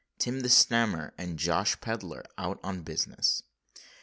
TIM THE SNAMMER AND JOSH PEDLER OUT ON BUSINESS.